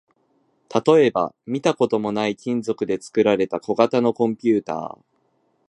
例えば、見たこともない金属で作られた小型のコンピュータ